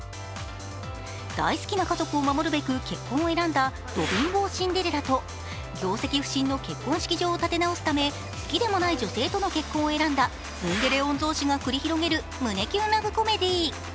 大好きな家族を守るべく結婚を選んだド貧乏シンデレラと業績不振の結婚式場を立て直すため、好きでもない女性との結婚を選んだツンデレ御曹司が繰り広げる胸キュンラブコメディー。